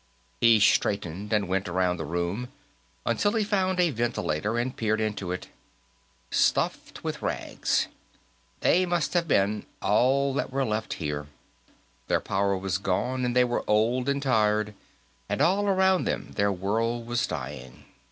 He straightened and went around the room, until he found a ventilator, and peered into it. "Stuffed with rags. They must have been all that were left, here. Their power was gone, and they were old and tired, and all around them their world was dying.